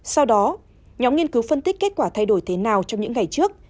sau đó nhóm nghiên cứu phân tích kết quả thay đổi thế nào trong những ngày trước